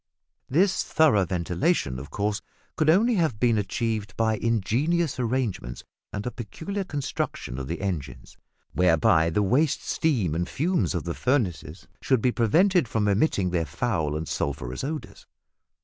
This thorough ventilation, of course, could only have been achieved by ingenious arrangements and a peculiar construction of the engines, whereby the waste steam and fumes of the furnaces should be prevented from emitting their foul and sulphurous odours.